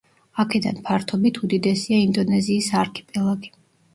აქედან ფართობით უდიდესია ინდონეზიის არქიპელაგი.